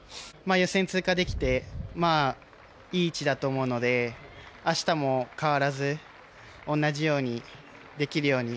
予選通過できていい位置だと思うので明日も変わらず同じようにできるように。